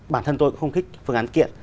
bản thân tôi không thích phương án kiện